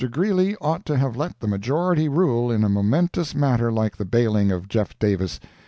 Greeley ought to have let the majority rule in a momentous matter like the bailing of Jeff. Davis.